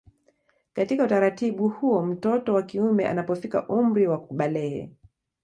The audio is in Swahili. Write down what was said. Katika utaratibu huo mtoto wa kiume anapofikia umri wa kubalehe